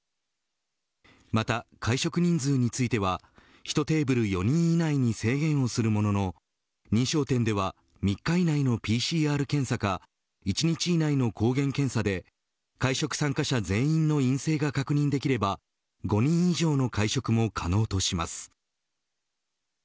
また会食人数については１テーブル４人以内に制限をするものの認証店では３日以内のＰＣＲ検査か１日以内の抗原検査で会食参加者全員の陰性が確認できれば５人以上の会食も可能とします。